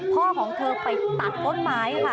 พ่อของเธอไปตัดต้นไม้ค่ะ